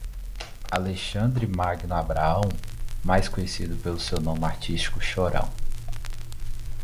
Alexandre Magno Abrão, mais conhecido pelo seu nome artístico Chorão